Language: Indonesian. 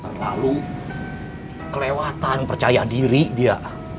terlalu kelewatan percaya diri dia